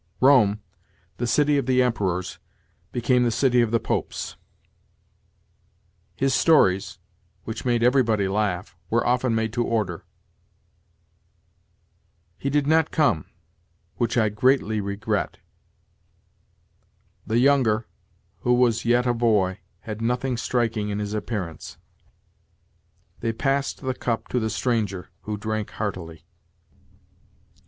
"Rome, the city of the Emperors, became the city of the Popes." "His stories, which made everybody laugh, were often made to order." "He did not come, which I greatly regret." "The younger, who was yet a boy, had nothing striking in his appearance." "They passed the cup to the stranger, who drank heartily."